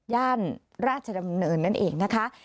ย่านราชดำเนินนั่นเองนะคะ